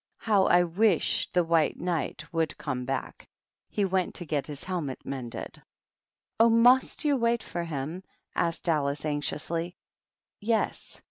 How I wish the White Knight would come back ! He went to get his helmet mended." "Oh, must you wait for him?" asked Alice, anxiously. "Yes.